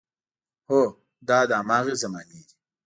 هو، دا د هماغې زمانې دی.